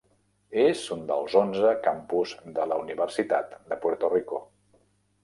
És un dels onze campus de la Universitat de Puerto Rico.